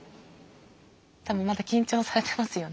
多分まだ緊張されてますよね。